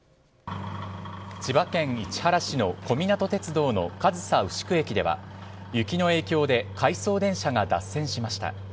千葉県市原市の小湊鐵道の上総牛久駅では雪の影響で回送電車が脱線しました。